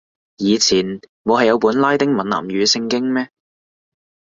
以前冇係有本拉丁閩南語聖經咩